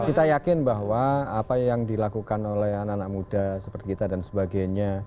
kita yakin bahwa apa yang dilakukan oleh anak anak muda seperti kita dan sebagainya